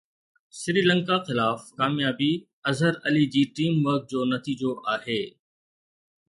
سريلنڪا خلاف ڪاميابي اظهر علي جي ٽيم ورڪ جو نتيجو آهي